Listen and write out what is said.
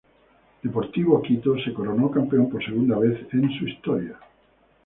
Deportivo Quito se coronó campeón por segunda vez en su historia.